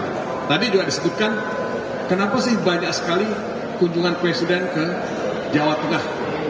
nah tadi juga disebutkan kenapa sih banyak sekali kunjungan presiden ke jawa tengah